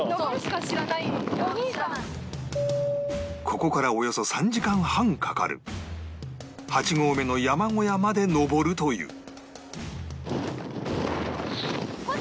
ここからおよそ３時間半かかる８合目の山小屋まで登るという